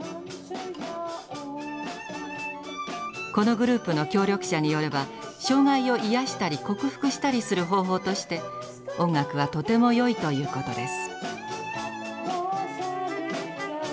このグループの協力者によれば障害を癒やしたり克服したりする方法として音楽はとてもよいということです。